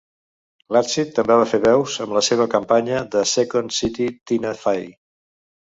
L'Adsit també va fer veus amb la seva companya de Second City Tina Fey.